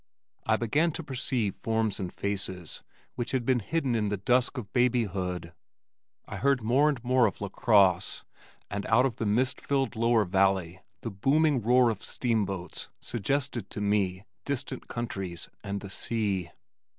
I began to perceive forms and faces which had been hidden in the dusk of babyhood. I heard more and more of LaCrosse, and out of the mist filled lower valley the booming roar of steamboats suggested to me distant countries and the sea.